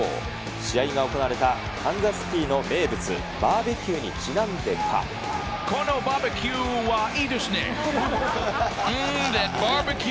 試合が行われたカンザスシティーの名物、バーベキューにちなんでこのバーベキューはいいですね。